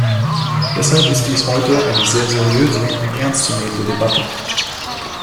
Deshalb ist dies heute eine sehr seriöse und ernst zu nehmende Debatte.